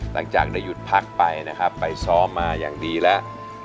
หลังจากได้หยุดพักไปนะครับไปซ้อมมาอย่างดีแล้ว